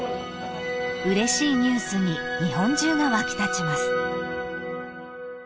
［うれしいニュースに日本中が沸き立ちます］